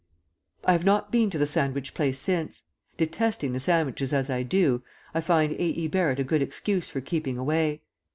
..... I have not been to the sandwich place since. Detesting the sandwiches as I do, I find A. E. Barrett a good excuse for keeping away.